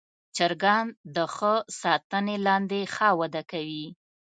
چرګان د ښه ساتنې لاندې ښه وده کوي.